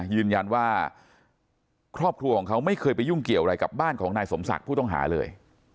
ยืนยันว่าครอบครัวของเขาไม่เคยไปยุ่งเกี่ยวอะไรกับบ้านของนายสมศักดิ์ผู้ต้องหาเลย